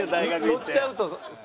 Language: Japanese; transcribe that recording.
乗っちゃうと。